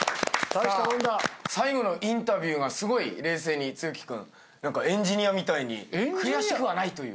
最後のインタビューがすごい冷静に毅君エンジニアみたいに悔しくはないという。